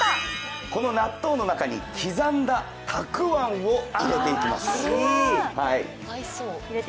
この納豆の中に刻んだたくあんを入れていきます。